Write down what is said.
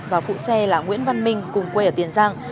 và phụ xe là nguyễn văn minh cùng quê ở tiền giang